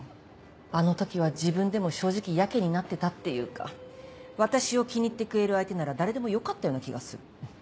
あの時は自分でも正直ヤケになってたっていうか私を気に入ってくれる相手なら誰でもよかったような気がする。